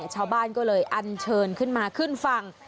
ชาวบ้านก็เลยอันเชิญขึ้นมาขึ้นฝั่ง